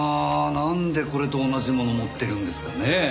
なんでこれと同じものを持ってるんですかね？